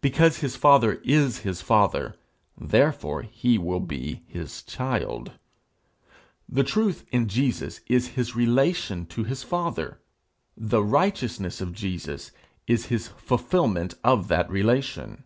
Because his father is his father, therefore he will be his child. The truth in Jesus is his relation to his father; the righteousness of Jesus is his fulfilment of that relation.